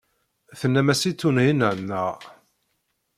Tennam-as i Tunhinan, naɣ?